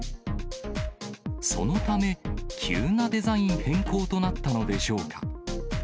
そのため、急なデザイン変更となったのでしょうか。